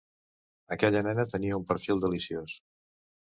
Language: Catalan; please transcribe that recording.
Aquella nena tenia un perfil deliciós.